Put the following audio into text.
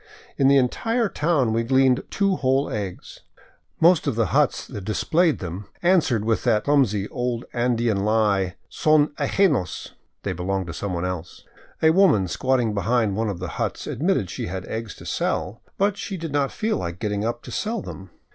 In the entire town we gleaned two whole eggs. Most of the huts that dis 529 VAGABONDING DOWN THE ANDES played them answered with that clumsy old Andean lie, " Son ajenos — They belong to some one else." A woman squatting behind one of the huts admitted she had eggs to sell, but said she did not feel like getting up to sell them.